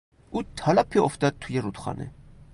او تالاپی افتاد توی رودخانه.